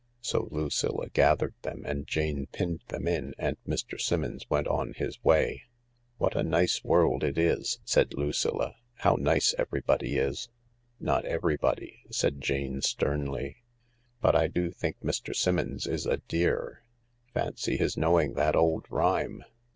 So Lucilla gathered them and Jane pinned them in and Mr. Simmons went on his way. " What a nice world it is,"said Lucilla ;" how nice every body is !"" Not everybody," said Jane sternly. " But I do think Mr. Simmons is a dear. Fancy his knowing that old rhyme.